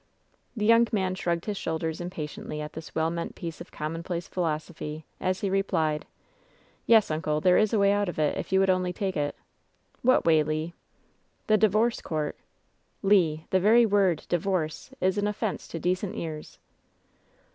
The young man shrugged his shoulders impatiently at this well meant piece of commonplace philosophy, as he replied : "Yes, uncle, there is a way out of it, if you would only take it." "What way, LeT "The divorce court.^' "Le ! The very word, divorce, is an offense to decent ears."